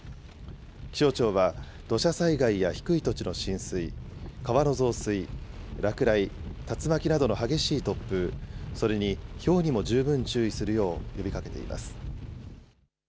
気象庁は土砂災害や低い土地の浸水、川の増水、落雷、竜巻などの激しい突風、それにひょうにも十分注意するよう呼びかけています。